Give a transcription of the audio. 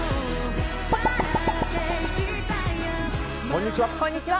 こんにちは。